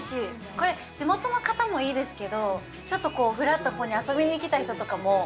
これ、地元の方もいいですけど、ちょっとこう、フラッとここに遊びに来た人とかも。